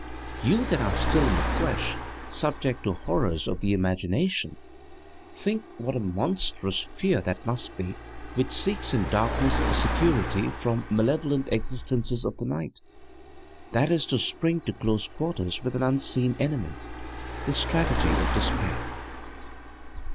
You that are still in the flesh, subject to horrors of the imagination, think what a monstrous fear that must be which seeks in darkness security from malevolent existences of the night. That is to spring to close quarters with an unseen enemy the strategy of despair!